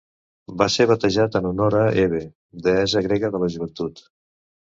Va ser batejat en honor a Hebe, deessa grega de la joventut.